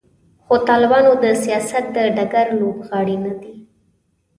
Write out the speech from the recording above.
خو طالبان د سیاست د ډګر لوبغاړي نه دي.